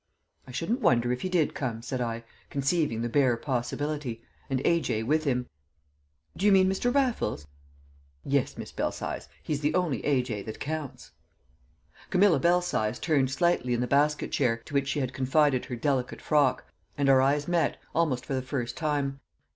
"I shouldn't wonder if he did come," said I, conceiving the bare possibility: "and A.J. with him." "Do you mean Mr. Raffles?" "Yes, Miss Belsize; he's the only A.J. that counts!" Camilla Belsize turned slightly in the basket chair to which she had confided her delicate frock, and our eyes met almost for the first time.